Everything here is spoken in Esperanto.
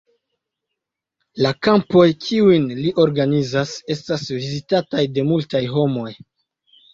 La kampoj, kiujn li organizas, estas vizitataj de multaj homoj.